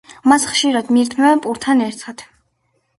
მას ხშირად მიირთმევენ პურთან ერთად.